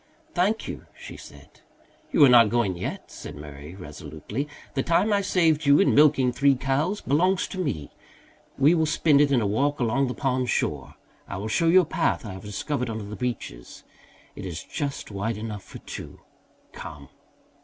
"Thank you," she said. "You are not going yet," said Murray resolutely. "The time I saved you in milking three cows belongs to me. We will spend it in a walk along the pond shore. I will show you a path I have discovered under the beeches. It is just wide enough for two. Come."